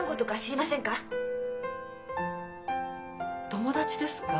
友達ですか？